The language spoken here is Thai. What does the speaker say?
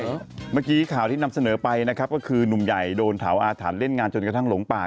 เมื่อกี้ข่าวที่นำเสนอไปนะครับก็คือหนุ่มใหญ่โดนเผาอาถรรพ์เล่นงานจนกระทั่งหลงป่า